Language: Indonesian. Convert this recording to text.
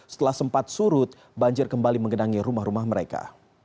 setelah sempat surut banjir kembali menggenangi rumah rumah mereka